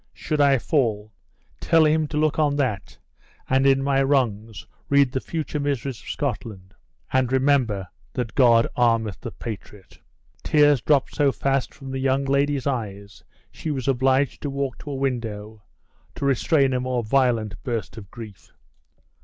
Should I fall, tell him to look on that, and in my wrongs read the future miseries of Scotland; and remember, that God armeth the patriot!" Tears dropped so fast from the young lady's eyes, she was obliged to walk to a window, to restrain a more violent burst of grief.